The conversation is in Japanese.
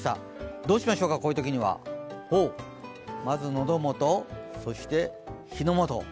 どうしましょうか、こういうときには。まず喉元、そして火の元。